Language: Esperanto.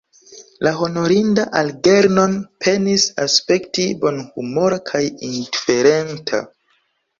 La honorinda Algernon penis aspekti bonhumora kaj indiferenta.